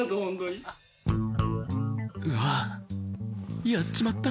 うわやっちまった。